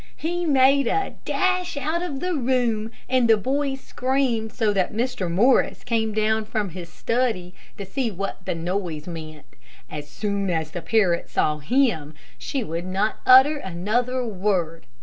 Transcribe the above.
He made a dash out of the room, and the boys screamed so that Mr. Morris came down from his study to see what the noise meant. As soon as the parrot saw him, she would not utter another word.